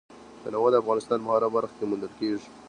تنوع د افغانستان په هره برخه کې موندل کېږي.